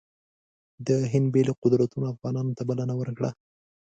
د هند بېلو قدرتونو افغانانو ته بلنه ورکړه.